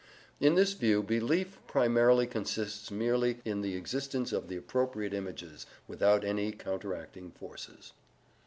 In this view belief primarily consists merely in the existence of the appropriate images without any counteracting forces.